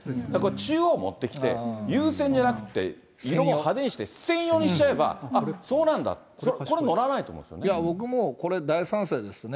中央持ってきて、優先じゃなくて、色も派手にして、専用にしちゃえば、あっ、そうなんだって、これ、僕もこれ、大賛成ですね。